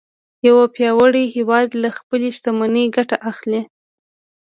یو پیاوړی هیواد له خپلې شتمنۍ ګټه اخلي